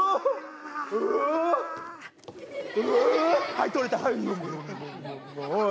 はい取れたはい。